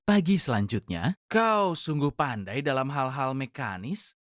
pagi selanjutnya kau sungguh pandai dalam hal hal mekanis